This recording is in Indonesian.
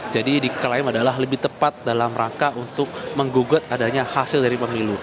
jadi diklaim adalah lebih tepat dalam rangka untuk menggugat adanya hasil dari pemilu